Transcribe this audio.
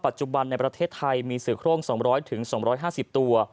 ปัจจุบันในประเทศไทยมีเสือกโครง๒๐๐๒๕๐ตัว